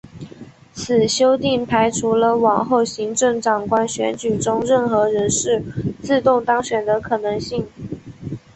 此修订排除了往后行政长官选举中任何人士自动当选的可能性。